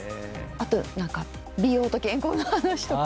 あと美容と健康の話とか。